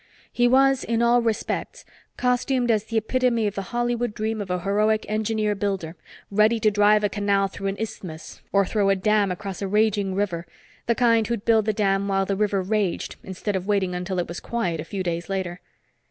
He was in all respects costumed as the epitome of the Hollywood dream of a heroic engineer builder, ready to drive a canal through an isthmus or throw a dam across a raging river the kind who'd build the dam while the river raged, instead of waiting until it was quiet, a few days later.